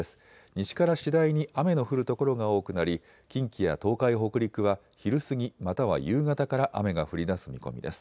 西から次第に雨の降る所が多くなり近畿や東海、北陸は昼過ぎまたは夕方から雨が降りだす見込みです。